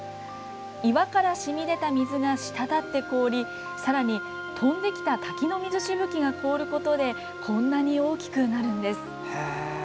岩から染み出た水が滴って凍りさらに、飛んできた滝の水しぶきが凍ることでこんなに大きくなるんです。